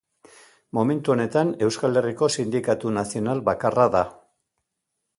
Momentu honetan Euskal Herriko sindikatu nazional bakarra da.